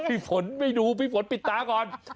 พี่ฝนไม่ดูพี่ฝนปิดตาก่อน